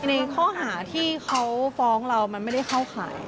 ในข้อหาที่เขาฟ้องเรามันไม่ได้เข้าข่าย